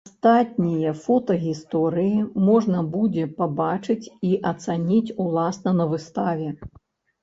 Астатнія фотагісторыі можна будзе пабачыць і ацаніць уласна на выставе.